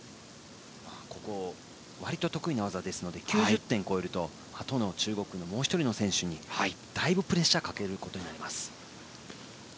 割と得意の技ですので９０点を超えるとあとの中国のもう１人の選手にだいぶプレッシャーをかけることになります。